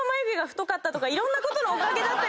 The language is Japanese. いろんなことのおかげだったり。